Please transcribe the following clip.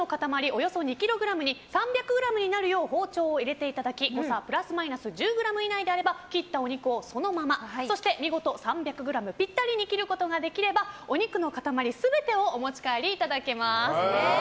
およそ２ｋｇに３００ｇになるよう包丁を入れていただき誤差プラスマイナス１０ｇ以内であれば切ったお肉をそのままそして見事３００ｇピッタリに切ることができればお肉の塊全てをお持ち帰りいただけます。